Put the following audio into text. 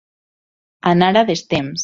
Anar a destemps.